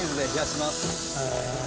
へえ。